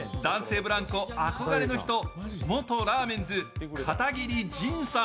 ブランコ憧れの人、元ラーメンズ・片桐仁さん。